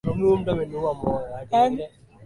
Mpenzi wangu ametoka bara.